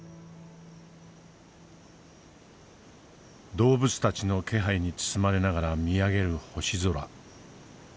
動物たちの気配に包まれながら見上げる星空。